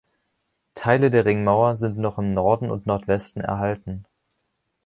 Teile der Ringmauer sind noch im Norden und Nordwesten erhalten.